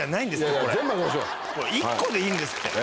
これ１個でいいんですって。